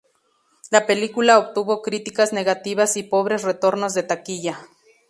La película obtuvo críticas negativas y pobres retornos de taquilla.